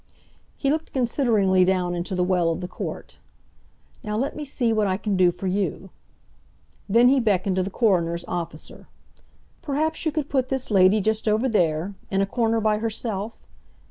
He looked consideringly down into the well of the court. "Now let me see what I can do for you—" Then he beckoned to the coroner's officer: "Perhaps you could put this lady just over there, in a corner by herself?